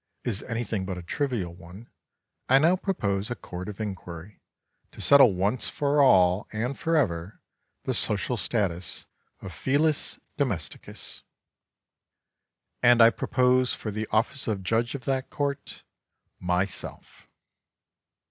is anything but a trivial one, I now propose a court of inquiry, to settle once for all and forever, the social status of felis domesticus. And I propose for the office of judge of that court—myself!